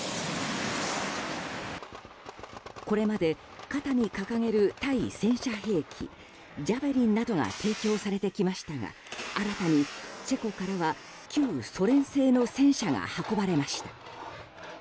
これまで肩に掲げる対戦車兵器ジャベリンなどが提供されてきましたが新たにチェコからは旧ソ連製の戦車が運ばれました。